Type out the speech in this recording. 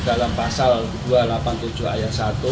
dalam pasal dua ratus delapan puluh tujuh ayat satu